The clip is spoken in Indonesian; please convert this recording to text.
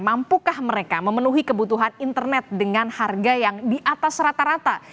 mampukah mereka memenuhi kebutuhan internet dengan harga yang di atas rata rata